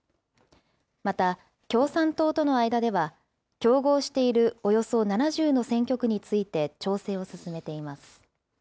また、共産党との間では競合しているおよそ７０の選挙区について調整を進めています。